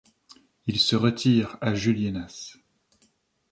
Il se retire à Juliénas.